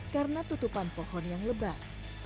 karena tutupan pohon yang lebat